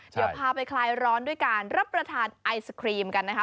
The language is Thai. เดี๋ยวพาไปคลายร้อนด้วยการรับประทานไอศครีมกันนะคะ